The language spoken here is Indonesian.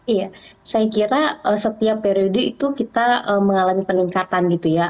iya saya kira setiap periode itu kita mengalami peningkatan gitu ya